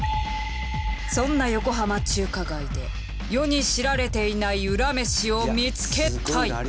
そんな横浜中華街で世に知られていないウラ飯を見つけたい。